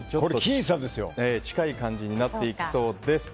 近い感じになっていきそうです。